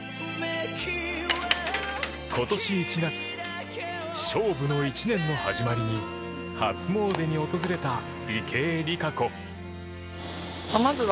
今年１月勝負の１年の始まりに初詣に訪れた池江璃花子